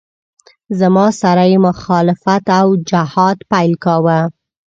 زما سره یې مخالفت او جهاد پیل کاوه.